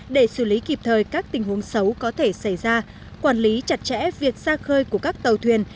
để xử lý kịp thời các tình huống xấu có thể xảy ra quản lý chặt chẽ việc xa khơi của các tàu thuyền